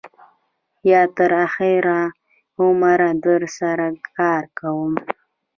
یا تر آخره عمره در سره کار کوم.